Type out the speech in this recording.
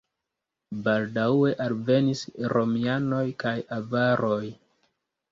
Baldaŭe alvenis romianoj kaj avaroj.